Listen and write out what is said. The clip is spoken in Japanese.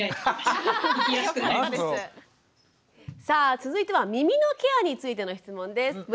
さあ続いては耳のケアについての質問です。